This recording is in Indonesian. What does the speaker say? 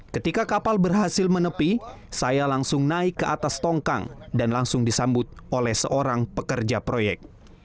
ketika kapal berhasil menepi saya langsung naik ke atas tongkang dan langsung disambut oleh seorang pekerja proyek